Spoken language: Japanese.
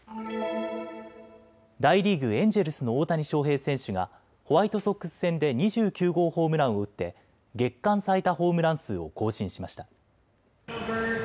大リーグ、エンジェルスの大谷翔平選手がホワイトソックス戦で２９号ホームランを打って月間最多ホームラン数を更新しました。